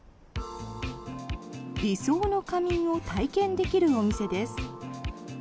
理想の仮眠を体験できるお店です。